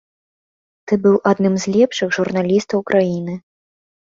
Ты быў адным з лепшых журналістаў краіны!